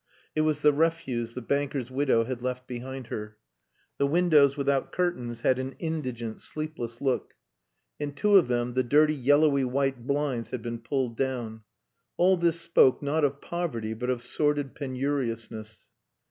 It was the refuse the banker's widow had left behind her. The windows without curtains had an indigent, sleepless look. In two of them the dirty yellowy white blinds had been pulled down. All this spoke, not of poverty, but of sordid penuriousness.